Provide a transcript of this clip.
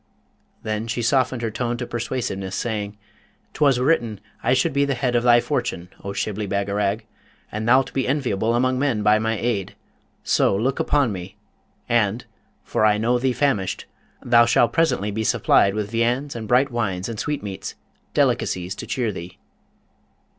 Then she softened her tone to persuasiveness, saying, ''Twas written I should be the head of thy fortune, O Shibli Bagarag! and thou'lt be enviable among men by my aid, so look upon me, and (for I know thee famished) thou shah presently be supplied with viands and bright wines and sweetmeats, delicacies to cheer thee.'